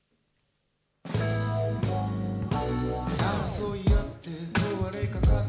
「争い合って壊れかかった」